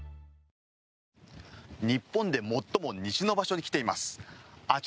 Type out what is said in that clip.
日本で最も西の場所に来ています。